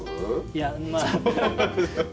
いやまあ。